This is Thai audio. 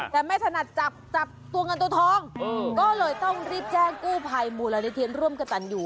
แต่ไม่ถนัดจับจับตัวเงินตัวทองก็เลยต้องรีบแจ้งกู้ภัยมูลนิธิร่วมกระตันอยู่